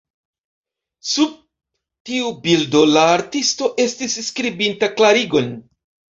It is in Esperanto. Sub tiu bildo, la artisto estis skribinta klarigon.